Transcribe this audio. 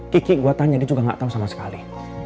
kiki gue tanya dia juga gak tau sama sekali